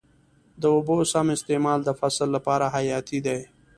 د اوبو سم استعمال د فصل لپاره حیاتي دی.